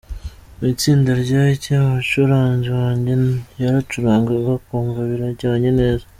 Mu itsinda ry’abacuranzi banjye yaracurangaga ukumva birajyanye neza.